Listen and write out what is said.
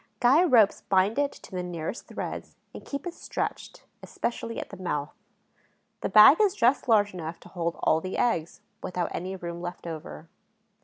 Guy ropes bind it to the nearest threads and keep it stretched, especially at the mouth. The bag is just large enough to hold all the eggs, without any room left over.